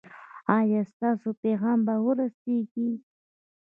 ایا ستاسو پیغام به ورسیږي؟